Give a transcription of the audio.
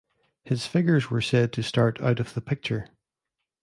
His figures were said to start out of the picture.